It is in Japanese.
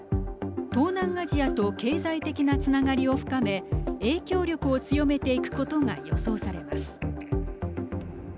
東南アジアと経済的なつながりを深め影響力を強めていくことが予想されます。